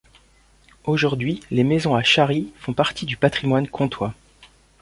Aujourd'hui, les maisons à charri font partie du patrimoine comtois.